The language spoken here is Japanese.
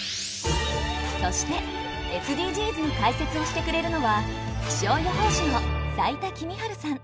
そしてＳＤＧｓに解説をしてくれるのは気象予報士の斉田季実治さん。